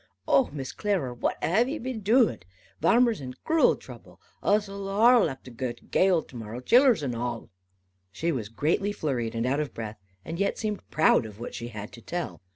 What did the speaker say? "Oh Miss Clerer, what have e been and doed? Varmer's in crule trouble. Us'll arl have to goo to gaol to morrow, chillers and arl." She was greatly flurried and out of breath, and yet seemed proud of what she had to tell.